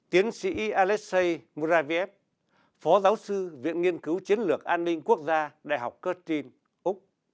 tiến sĩ alexei muraviev phó giáo sư viện nghiên cứu chiến lược an ninh quốc gia đại học curtin úc